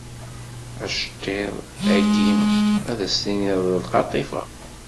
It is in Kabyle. Aceṭṭiḍ-ayi ad s-tiniḍ d qaṭifa.